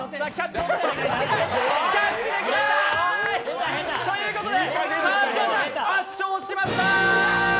キャッチできない！ということで川島さん圧勝しました！